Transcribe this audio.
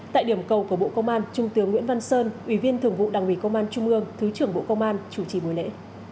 tại điểm cầu của bộ công an trung tướng nguyễn văn sơn ủy viên thường vụ đảng ủy công an trung ương thứ trưởng bộ công an chủ trì buổi lễ